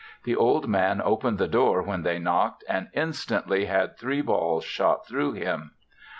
The old man opened the door when they knocked and instantly had three balls shot through him.